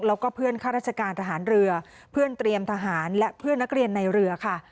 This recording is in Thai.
แล้วก็เพื่อนข้าราชการทหารเรือเพื่อนเตรียมทหารและเพื่อนนักเรียนในเรือค่ะ